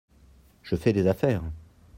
Je fais des affaires.